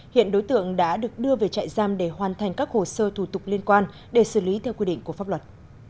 hiện đối tượng đã được đưa về trại giam để hoàn thành các hồ sơ thủ tục liên quan để xử lý theo quy định của pháp luật